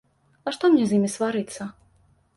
А што мне з ім сварыцца?